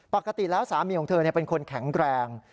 ปกติแล้วสามีของเธอเป็นคนแข็งแรง